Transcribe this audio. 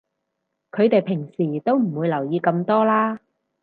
佢哋平時都唔會留意咁多啦